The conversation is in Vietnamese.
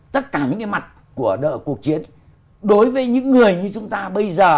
tất cả những cái mặt của cuộc chiến đối với những người như chúng ta bây giờ